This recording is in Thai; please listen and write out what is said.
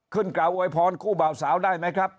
กล่าวอวยพรคู่บ่าวสาวได้ไหมครับ